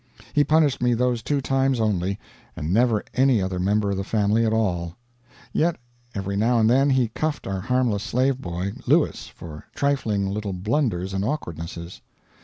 He punished me those two times only, and never any other member of the family at all; yet every now and then he cuffed our harmless slave boy, Lewis, for trifling little blunders and awkwardnesses.